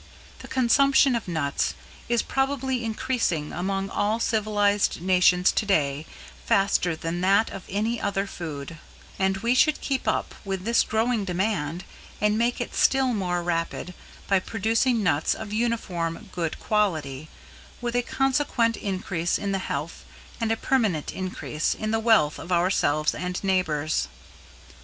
The consumption of nuts is probably increasing among all civilized nations today faster than that of any other food; and we should keep up with this growing demand and make it still more rapid by producing nuts of uniform good quality, with a consequent increase in the health and a permanent increase in the wealth of ourselves and neighbors."